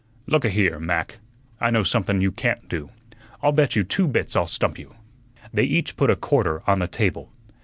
"Looka here, Mac. I know somethun you can't do. I'll bet you two bits I'll stump you." They each put a quarter on the table.